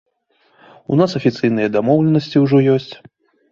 У нас афіцыйныя дамоўленасці ўжо ёсць.